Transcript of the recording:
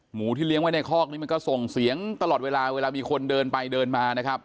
หมูที่เลี้ยงไว้ในคอกนี้มันก็ส่งเสียงตลอดเวลาเวลามีคนเดินไปเดินมานะครับ